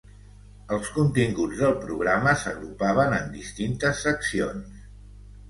Els continguts del programa s’agrupaven en distintes seccions.